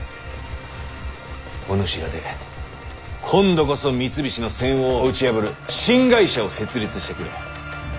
お主らで今度こそ三菱の専横を打ち破る新会社を設立してくれ。